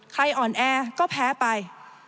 ใครอ่อนแอก็แพ้ไป